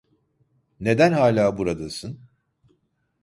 Neden hâlâ buradasın?